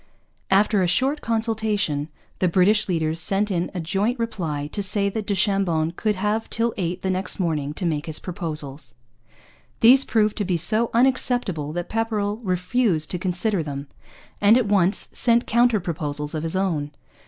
After a short consultation the British leaders sent in a joint reply to say that du Chambon could have till eight the next morning to make his proposals. These proved to be so unacceptable that Pepperrell refused to consider them, and at once sent counter proposals of his own.